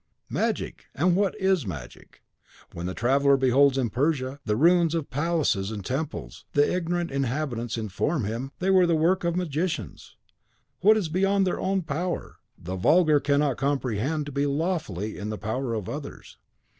"Magic!" And what is magic! When the traveller beholds in Persia the ruins of palaces and temples, the ignorant inhabitants inform him they were the work of magicians. What is beyond their own power, the vulgar cannot comprehend to be lawfully in the power of others.